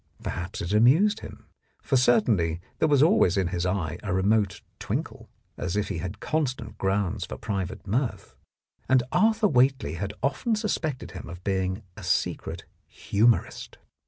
Perhaps it amused him, for certainly there was always in his eye a remote twinkle, as if he had constant grounds for private mirth, and Arthur Whately had often suspected him of being a secret humourist.